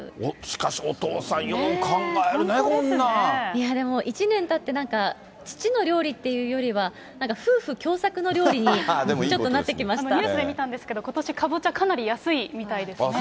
しかし、お父さん、よく考えるね、いや、でも１年たって、なんか父の料理っていうよりは、夫婦共作の料理に、ちょっとなってきニュースで見たんですけど、ことしかぼちゃ、かなり安いみたいですね。